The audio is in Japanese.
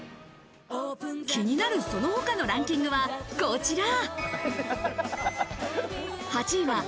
気になるその他のランキングはこちら。